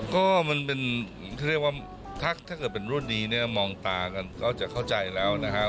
ก็มันเป็นถ้าเกิดเป็นรูปนี้มองตากันก็จะเข้าใจแล้วนะครับ